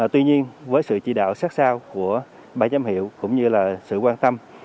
tuy nhiên với sự chỉ đạo sát sao của ban giám hiệu cũng như là sự quan tâm